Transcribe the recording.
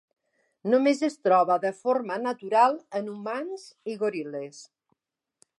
Només es troba de forma natural en humans i goril·les.